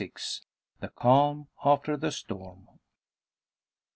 THE CALM AFTER THE STORM.